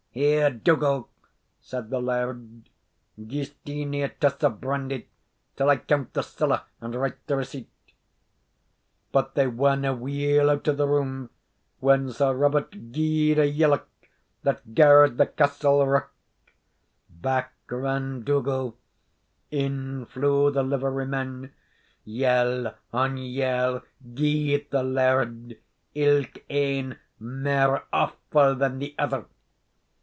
"Here, Dougal," said the laird, "gie Steenie a tass of brandy, till I count the siller and write the receipt." But they werena weel out of the room when Sir Robert gied a yelloch that garr'd the castle rock. Back ran Dougal; in flew the liverymen; yell on yell gied the laird, ilk ane mair awfu' than the ither.